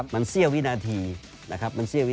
มันเสี้ยววินาที